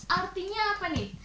artinya apa nih